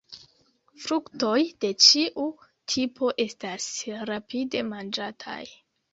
Fruktoj de ĉiu tipo estas rapide manĝataj.